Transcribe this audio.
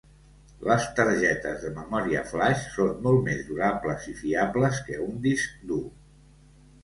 Les targetes de memòria flaix, són molt més durables i fiables que un disc dur.